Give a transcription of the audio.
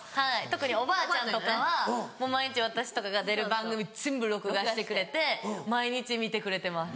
特におばあちゃんとかは毎日私とかが出る番組全部録画してくれて毎日見てくれてます。